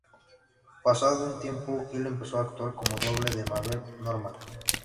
Pasado un tiempo, Hill empezó a actuar como doble de Mabel Normand.